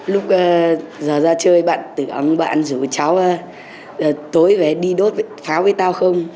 lúc giờ ra chơi bạn tưởng bạn rủ cháu tối về đi đốt pháo với tao không